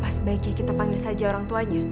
pak apa sebaiknya kita panggil saja orang tua ini